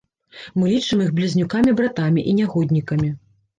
Мы лічым іх блізнюкамі-братамі і нягоднікамі.